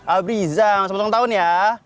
abrizan selamat ulang tahun ya